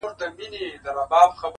د شاهي تاج در پرسر کي-